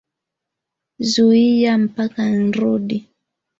Zuiya mpaka nrudi.